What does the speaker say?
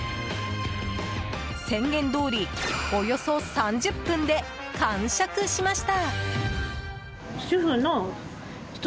宣言どおりおよそ３０分で完食しました！